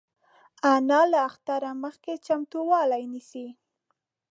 انا له اختره مخکې چمتووالی نیسي